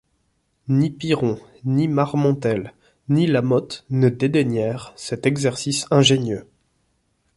Ni Piron ni Marmontel ni La Motte ne dédaignèrent cet exercice ingénieux.